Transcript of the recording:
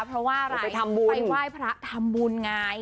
เพราะว่าอะไรไปไหว้พระทำบุญไง